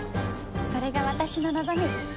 それが私の望み。